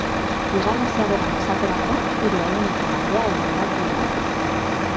Bigarren ziabogan esaterako, hiru ehuneneko aldea egon da bien artean.